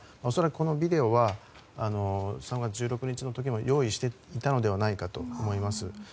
恐らく、このビデオは３月１６日の時にも用意していたのではないかと思います。